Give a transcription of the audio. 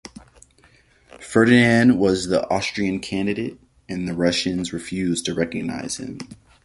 Ferdinand was the "Austrian candidate" and the Russians refused to recognise him.